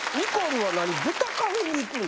はい。